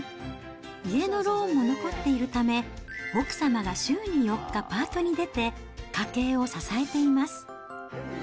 家のローンも残っているため、奥様が週に４日パートに出て、家計を支えています。